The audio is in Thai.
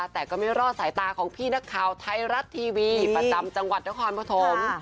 แต่ก็ไม่รอดสายตาของพี่นักข่าวไทยรัฐทีวีประจำจังหวัดนครปฐม